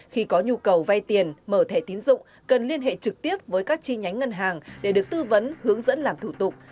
khi có nhu cầu vay tiền mở thẻ tiến dụng cần liên hệ trực tiếp với các chi nhánh ngân hàng để được tư vấn hướng dẫn làm thủ tục